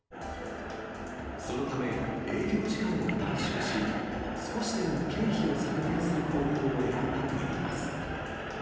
そのため、営業時間を短縮し、少しでも経費を削減する方法を選んだといいます。